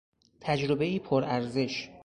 تجربهای پر ارزش